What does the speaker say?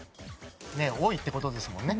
多いって事ですもんね。